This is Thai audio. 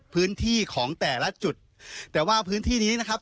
พื้นที่ของแต่ละจุดแต่ว่าพื้นที่นี้นะครับ